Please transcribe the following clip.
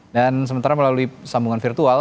dan sementara melalui sambungan virtual